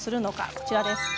こちらです。